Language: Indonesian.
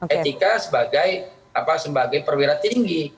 etika sebagai perwira tinggi